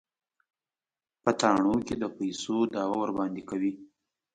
په تاڼو کې د پيسو دعوه ورباندې کوي.